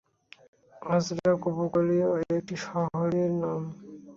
আযরাক উপকূলবর্তী একটি শহরের নাম।